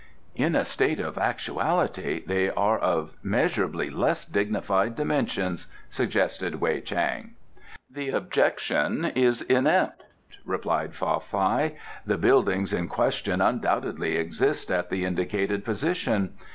"In a state of actuality, they are of measurably less dignified dimensions," suggested Wei Chang. "The objection is inept," replied Fa Fai. "The buildings in question undoubtedly exist at the indicated position.